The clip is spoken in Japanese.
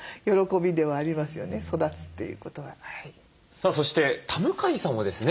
さあそして田向さんもですね